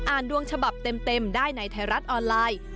ดวงฉบับเต็มได้ในไทยรัฐออนไลน์